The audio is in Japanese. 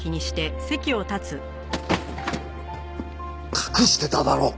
隠してただろう！